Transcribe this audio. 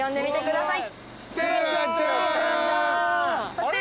そして